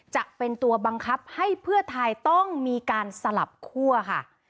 จะเป็นตัวบังคับให้เพื่อไทยต้องมีการสลับคั่วค่ะ